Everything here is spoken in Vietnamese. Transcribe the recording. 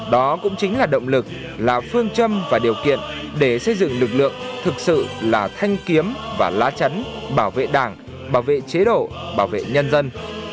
đó cũng chính là động lực là phương châm và điều kiện để xây dựng lực lượng thực sự là thanh kiếm và lá chắn bảo vệ đảng bảo vệ chế độ bảo vệ nhân dân